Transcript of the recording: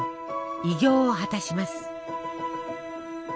偉業を果たします。